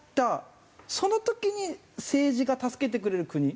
その時に政治が助けてくれる国。